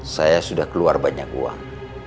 saya sudah keluar banyak uang